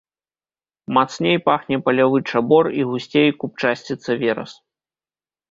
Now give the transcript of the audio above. Мацней пахне палявы чабор і гусцей купчасціцца верас.